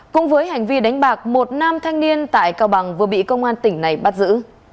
cũng với hành vi đánh bạc một nam thanh niên tại cao bằng vừa bị công an tỉnh này bắt giữ